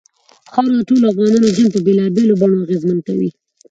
خاوره د ټولو افغانانو ژوند په بېلابېلو بڼو اغېزمن کوي.